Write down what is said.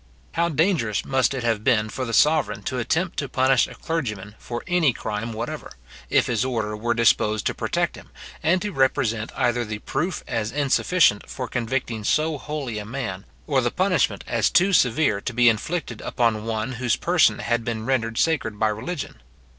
How dangerous must it have been for the sovereign to attempt to punish a clergyman for any crime whatever, if his order were disposed to protect him, and to represent either the proof as insufficient for convicting so holy a man, or the punishment as too severe to be inflicted upon one whose person had been rendered sacred by religion?